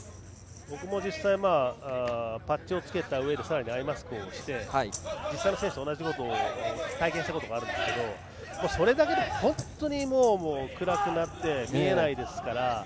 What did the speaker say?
僕も実際、パッチを着けたうえでさらにアイマスクをして実際の選手と同じことを体験したことがあるんですけどそれだけでも本当に暗くなって見えないですから。